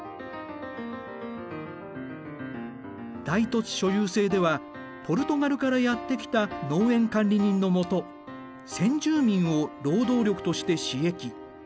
大土地所有制ではポルトガルからやって来た農園管理人の下先住民を労働力として使役。